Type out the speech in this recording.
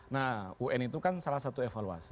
nah un itu kan salah satu evaluasi